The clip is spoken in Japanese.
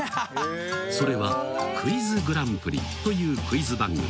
［それは『クイズグランプリ』というクイズ番組］